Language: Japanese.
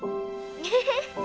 えっ。